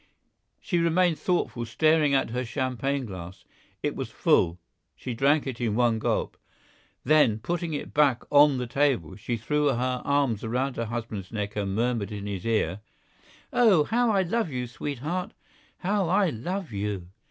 She remained thoughtful, staring at her champagne glass. It was full —she drank it in one gulp; then putting it back on the table, she threw her arms around her husband's neck and murmured in his ear: "Oh! how I love you, sweetheart! how I love you!"